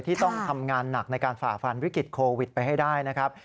ที่ต้องทำงานหนักในการฝ่าฟันวิกฤตโควิดไปให้ได้นะครับ